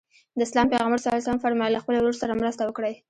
د اسلام پیغمبر ص وفرمایل له خپل ورور سره مرسته وکړئ.